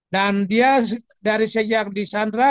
dan dia dari sejak di sandra